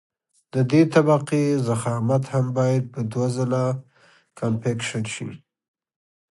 د دې طبقې ضخامت هم باید په دوه ځله کمپکشن شي